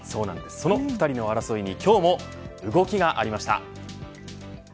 その２人の争いに今日も動きがありました。